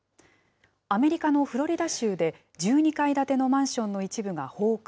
アメリカのフロリダ州で、１２階建てのマンションの一部が崩壊。